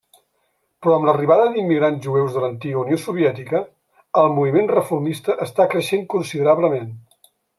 Però amb l'arribada d'immigrants jueus de l'antiga Unió Soviètica, el moviment reformista està creixent considerablement.